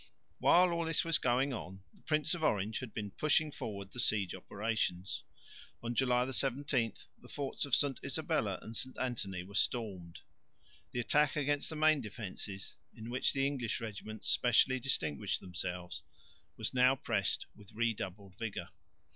While all this was going on the Prince of Orange had been pushing forward the siege operations. On July 17 the forts of St Isabella and St Anthony were stormed. The attack against the main defences, in which the English regiments specially distinguished themselves, was now pressed with redoubled vigour.